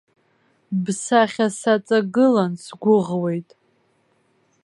Бсахьа саҵагылан сгәыӷуеит.